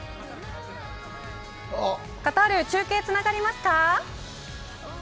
カタール、中継つながりますか。